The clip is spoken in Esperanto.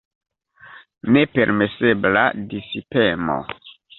Nepermesebla disipemo.